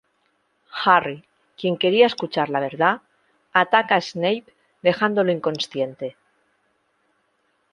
Harry, quien quería escuchar la verdad, ataca a Snape, dejándolo inconsciente.